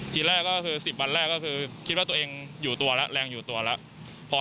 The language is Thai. ทีแรกก็คือ๑๐วันแรกก็คือคิดว่าตัวเองอยู่ตัวแล้วแรงอยู่ตัวแล้ว